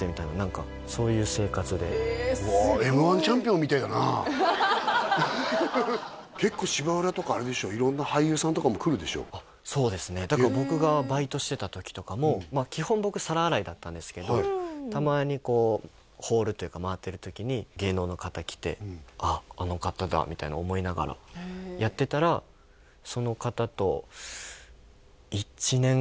みたいな何かそういう生活でへえすごいＭ−１チャンピオンみてえだな結構芝浦とかあれでしょ色んな俳優さんとかも来るでしょそうですねだから僕がバイトしてた時とかも基本僕皿洗いだったんですけどたまにこうホールというか回ってる時に芸能の方来てあっあの方だみたいなの思いながらやってたらおお！